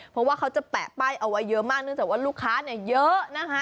เพราะว่าเขาจะแปะป้ายเอาไว้เยอะมากเนื่องจากว่าลูกค้าเนี่ยเยอะนะคะ